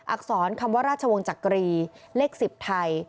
อักษรคำว่าราชวงศ์จักรีเลข๑๐ไทย